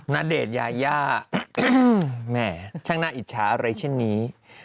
ณเดชน์ยายาแม่ช่างน่าอิจฉาอะไรเช่นนี้